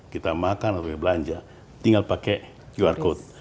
kita makan atau pakai belanja tinggal pakai qr code